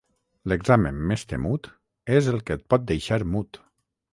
L'examen més temut és el que et pot deixar mut.